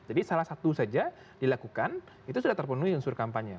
jadi salah satu saja dilakukan itu sudah terpenuhi unsur kampanye